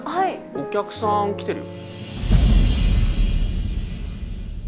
お客さん来てるよ。